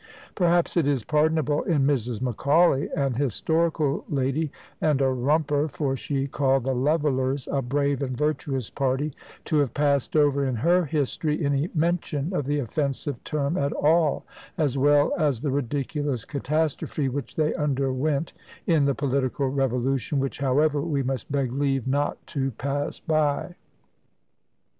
Perhaps it is pardonable in Mrs. Macaulay, an historical lady, and a "Rumper," for she calls the "Levellers" a "brave and virtuous party," to have passed over in her history any mention of the offensive term at all, as well as the ridiculous catastrophe which they underwent in the political revolution, which, however, we must beg leave not to pass by.